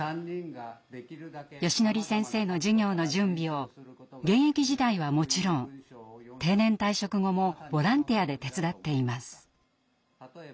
よしのり先生の授業の準備を現役時代はもちろん定年退職後もボランティアで手伝っています。